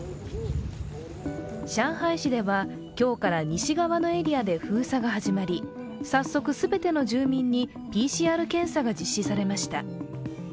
上海市では今日から西側のエリアで封鎖が始まり早速、全ての住民にＰＣＲ検査が実施されました。